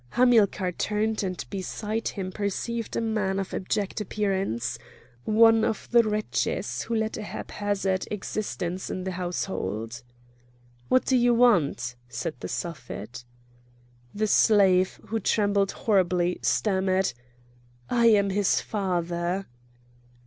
Hamilcar turned and beside him perceived a man of abject appearance, one of the wretches who led a haphazard existence in the household. "What do you want?" said the Suffet. The slave, who trembled horribly, stammered: "I am his father!"